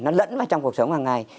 nó lẫn vào trong cuộc sống hằng ngày